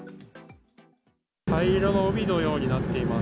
灰色の海のようになっています。